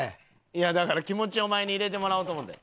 いやだから気持ちをお前に入れてもらおうと思って。